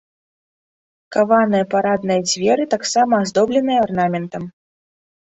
Каваныя парадныя дзверы таксама аздобленыя арнаментам.